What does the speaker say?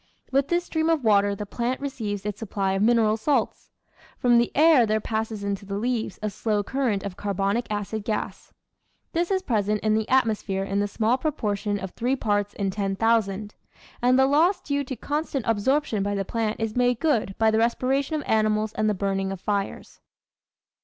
With this stream of water the plant receives its sup ply of mineral salts. From the air there passes into the leaves a slow current of carbonic acid gas. This is present in the atmo sphere in the small proportion of three parts in ten thousand; and the loss due to constant absorption by the plant is made good by the respiration of animals and the burning of fires.